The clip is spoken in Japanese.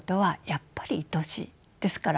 ですから